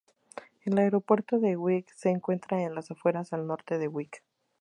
El aeropuerto de Wick se encuentra en las afueras al norte de Wick.